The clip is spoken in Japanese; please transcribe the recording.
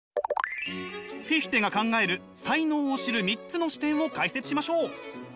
フィヒテが考える才能を知る３つの視点を解説しましょう！